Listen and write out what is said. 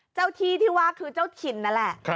เจ้าที่ที่ว่าคือเจ้าถิ่นนั่นแหละ